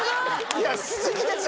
いやし過ぎでしょ。